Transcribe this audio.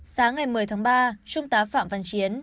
sáng ngày một mươi tháng ba trung tá phạm văn chiến